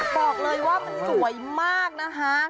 บอกเลยว่ามันสวยมากนะคะ